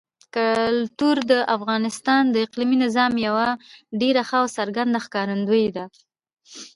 کلتور د افغانستان د اقلیمي نظام یوه ډېره ښه او څرګنده ښکارندوی ده.